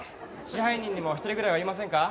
支配人にも一人ぐらいはいませんか？